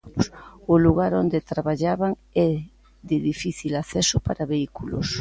O lugar onde traballaban é de difícil acceso para vehículos.